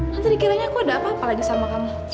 nanti dikiranya aku ada apa apa lagi sama kamu